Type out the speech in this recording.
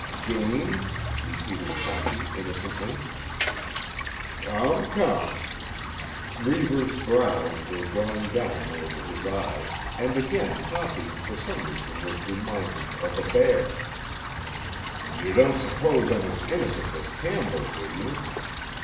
"Game?" repeated Toppy innocently. "Come, come!" Reivers' brows were drawing down over his eyes, and again Toppy for some reason was reminded of a bear. "You don't suppose I'm as innocent as Campbell, do you?